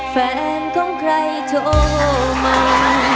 แฟนของใครโทรมา